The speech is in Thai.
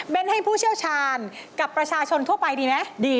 เป็นให้ผู้เชี่ยวชาญกับประชาชนทั่วไปดีนะดี